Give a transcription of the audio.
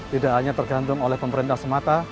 tidak hanya tergantung oleh pemerintah semata